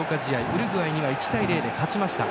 ウルグアイには１対０で勝ちました。